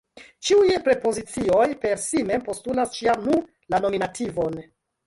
Ĉiuj prepozicioj per si mem postulas ĉiam nur la nominativon.